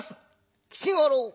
「吉五郎。